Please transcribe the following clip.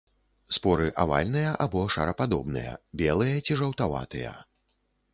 Споры авальныя або шарападобныя, белыя ці жаўтаватыя.